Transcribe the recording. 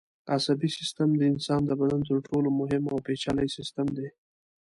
عصبي سیستم د انسان د بدن تر ټولو مهم او پېچلی سیستم دی.